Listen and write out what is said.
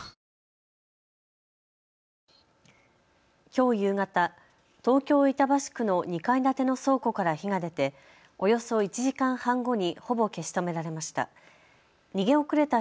きょう夕方、東京板橋区の２階建ての倉庫から火が出ておよそ１時間半後にほぼ消し止められました。